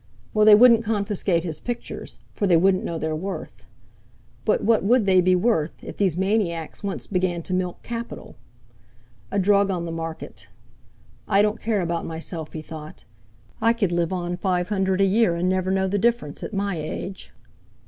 Well, they wouldn't confiscate his pictures, for they wouldn't know their worth. But what would they be worth, if these maniacs once began to milk capital? A drug on the market. 'I don't care about myself,' he thought; 'I could live on five hundred a year, and never know the difference, at my age.'